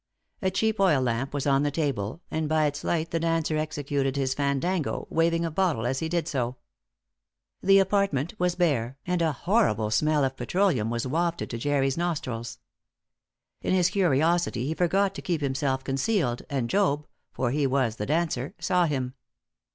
A cheap oil lamp was on the table, and by its light the dancer executed his fandango, waving a bottle as he did so. The apartment was bare, and a horrible smell of petroleum was wafted to Jerry's nostrils. In his curiosity he forgot to keep himself concealed, and Job for he was the dancer saw him.